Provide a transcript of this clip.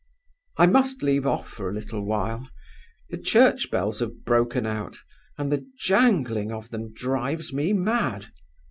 "I must leave off for a little while. The church bells have broken out, and the jangling of them drives me mad.